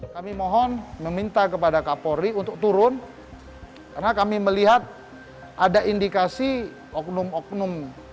kami mohon meminta kepada kapolri untuk turun karena kami melihat ada indikasi oknum oknum